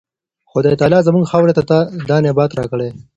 خدای تعالی زموږ خاورې ته دا نبات راکړی.